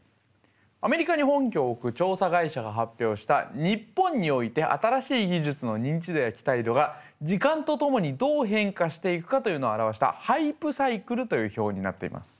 アメリカに本拠を置く調査会社が発表した日本において新しい技術の認知度や期待度が時間とともにどう変化していくかというのを表したハイプ・サイクルという表になっています。